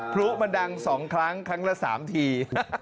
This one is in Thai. พลุมันดัง๒ครั้งครั้งละ๓ที